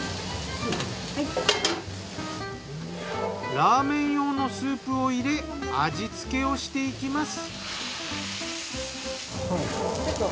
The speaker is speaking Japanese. ラーメン用のスープを入れ味付けをしていきます。